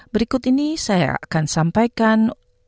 berikut ini saya akan sampaikan